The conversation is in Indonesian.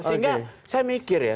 sehingga saya mikir ya